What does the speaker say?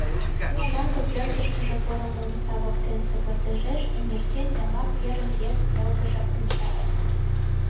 Шоҥго пӧртышкыжӧ пурымо омса воктенсе пырдыжеш эҥертен да лап верын вес велкыже онча ыле.